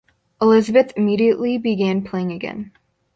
Elizabeth immediately began playing again.